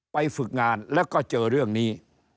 ฝึกงานแล้วก็เจอเรื่องนี้